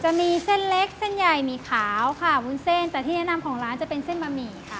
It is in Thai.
จะมีเส้นเล็กเส้นใหญ่หมี่ขาวค่ะวุ้นเส้นแต่ที่แนะนำของร้านจะเป็นเส้นบะหมี่ค่ะ